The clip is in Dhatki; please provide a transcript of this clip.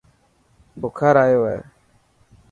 بخار آيو هي ڪي.